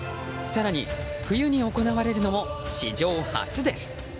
更に冬に行われるのも史上初です。